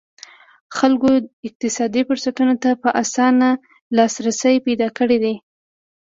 خلکو اقتصادي فرصتونو ته په اسانه لاسرسی پیدا کړی دی.